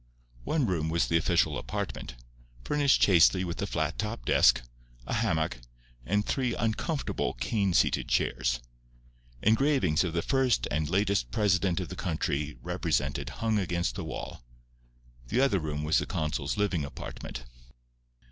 One room was the official apartment, furnished chastely with a flat top desk, a hammock, and three uncomfortable cane seated chairs. Engravings of the first and latest president of the country represented hung against the wall. The other room was the consul's living apartment.